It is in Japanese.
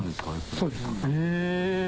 そうです。え。